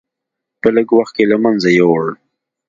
په لږ وخت کې له منځه یووړ.